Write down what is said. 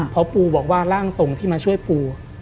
เพราะปูบอกว่าร่างทรงที่มาช่วยปู